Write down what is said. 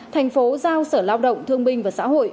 thành phố giao sở lao động thương binh và xã hội